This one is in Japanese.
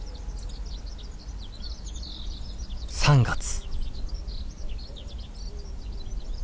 ３月。